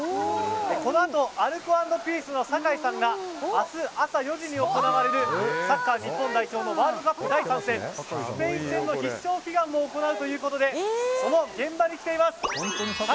このあとアルコ＆ピースの酒井さんが明日朝４時に行われるサッカー日本代表のワールドカップ第３戦スペイン戦の必勝祈願を行うということでその現場に来ています。